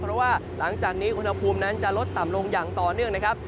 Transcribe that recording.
เพราะว่าหลังจากนี้อุณหภูมินั้นจะลดต่ำลงอย่างต่อเนื่องนะครับ